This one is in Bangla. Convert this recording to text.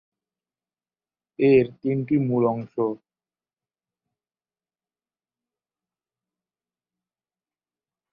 এর তিনটি মূল অংশ।